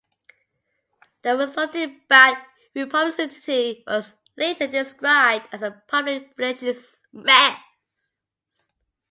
The resulting bad publicity was later described as a public relations mess.